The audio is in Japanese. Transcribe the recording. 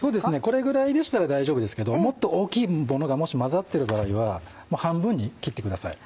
これぐらいでしたら大丈夫ですけどもっと大きいものがもし混ざっている場合は半分に切ってください。